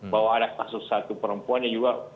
bahwa ada kasus satu perempuan yang juga